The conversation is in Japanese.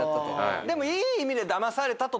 でもいい意味でだまされたと捉えてもいい。